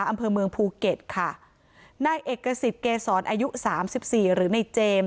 อำเภอเมืองภูเก็ตค่ะนายเอกสิทธิ์เกษรอายุสามสิบสี่หรือในเจมส์